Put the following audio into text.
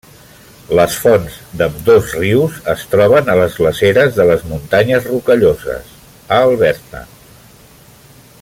Les fonts d'ambdós rius es troben a les glaceres de les muntanyes Rocalloses, a Alberta.